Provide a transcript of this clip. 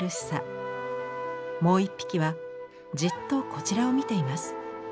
もう一匹はじっとこちらを見ています。